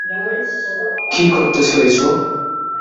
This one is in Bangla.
কী করতেছো এসব?